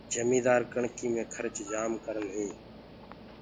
جميدآ ڪڻڪي مي کرچ جآم ڪرن هينٚ۔